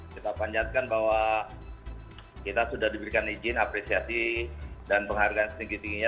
kita panjatkan bahwa kita sudah diberikan izin apresiasi dan penghargaan setinggi tingginya